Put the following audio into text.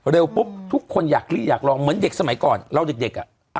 ปุ๊บทุกคนอยากลองเหมือนเด็กสมัยก่อนเราเด็กอ่ะ